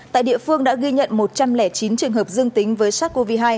tại địa phương đã ghi nhận một trăm linh chín trường hợp dương tính với sars cov hai